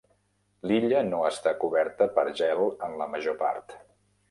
L'illa no està coberta per gel en la major part.